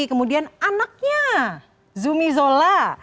kemudian anaknya zumi zola